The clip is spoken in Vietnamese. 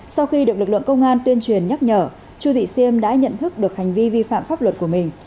sau khi được lực lượng công an tuyên truyền nhắc nhở chu thị siêm đã nhận thức được hành vi vi phạm pháp luật của mình